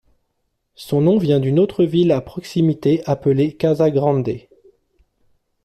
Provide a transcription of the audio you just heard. Son nom vient d'une autre ville à proximité appelée Casas Grandes.